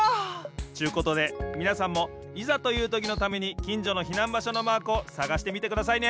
ちゅうことでみなさんもいざというときのためにきんじょの避難場所のマークをさがしてみてくださいね。